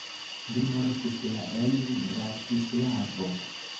Li mortis la en Bratislavo.